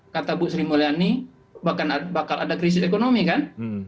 kata bu sri mulyani bahkan bakal ada krisis ekonomi kan